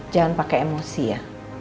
jangan pakai emosi ya